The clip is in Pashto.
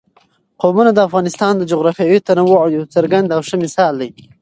قومونه د افغانستان د جغرافیوي تنوع یو څرګند او ښه مثال دی.